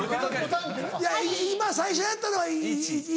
いや今最初やったのは１？